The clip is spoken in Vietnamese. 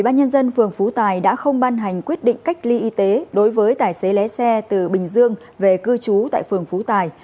chủ tịch ubnd phường phú tài đã không ban hành quyết định cách ly y tế đối với tài xế lé xe từ bình dương về cư trú tại phường phú tài